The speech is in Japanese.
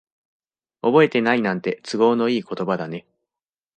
覚えてないなんて、都合のいい言葉だね。